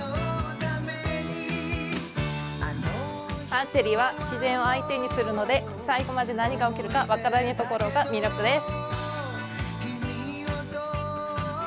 アーチェリーは自然を相手にするので、最後まで何が起こるか分からないところが魅力です。